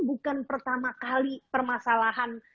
bukan pertama kali permasalahan